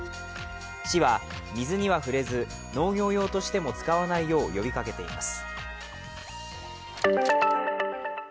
市は水には触れず農業用としても使わないよう呼びかけています。